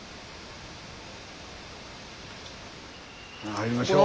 入りましょう。